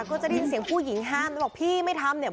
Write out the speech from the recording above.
ก็จะได้ยินเสียงผู้หญิงห้ามแล้วบอกพี่ไม่ทำเนี่ย